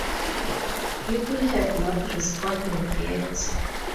People have not responded yet.